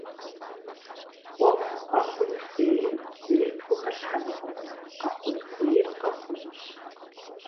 Ӏуэху къэхъун хуейм зыри пхухэлъхьэнукъым - къэхъун хуейр къэхъунущ.